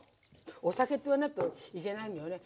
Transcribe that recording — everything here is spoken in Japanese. お酒って言わないといけないのよね。